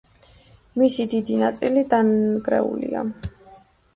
მისი დიდი ნაწილი დანგრეულია.